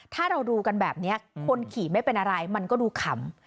ถ้าเราดูกันแบบนี้คนขี่ไม่เป็นอะไรมันก็ดูขำ